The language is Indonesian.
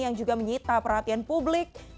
yang juga menyita perhatian publik